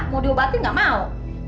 mau diobati gak mau